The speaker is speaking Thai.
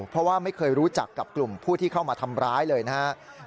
เพราะว่าไม่เคยรู้จักกับกลุ่มผู้ที่เข้ามาทำร้ายเลยนะครับ